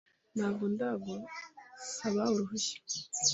Ntabwo ndagusaba uruhushya .